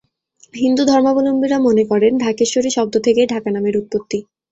হিন্দু ধর্মাবলম্বীরা মনে করেন, ঢাকেশ্বরী শব্দ থেকেই ঢাকা নামের উৎপত্তি।